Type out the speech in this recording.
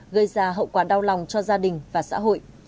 gây ra hậu quả đau lòng cho gia đình và xã hội